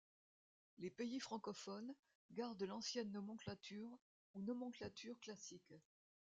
Les pays francophones gardent l'ancienne nomenclature ou nomenclature classique.